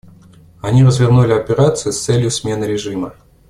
Они развернули операцию с целью смены режима.